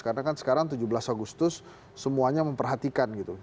karena kan sekarang tujuh belas agustus semuanya memperhatikan gitu